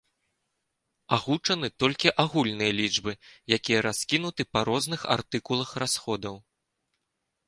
Агучаны толькі агульныя лічбы, якія раскінуты па розных артыкулах расходаў.